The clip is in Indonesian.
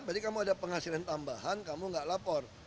berarti kamu ada penghasilan tambahan kamu nggak lapor